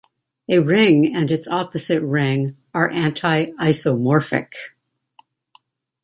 A ring and its opposite ring are anti-isomorphic.